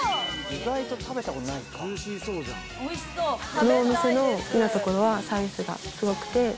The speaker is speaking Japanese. このお店の好きなところはサービスがすごくて。